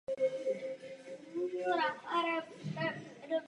Tehdy také začal psát humoristické povídky.